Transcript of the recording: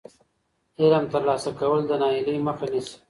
علم ترلاسه کول د ناهیلۍ مخه نیسي.